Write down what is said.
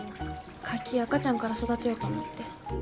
カキ赤ちゃんから育てようと思って。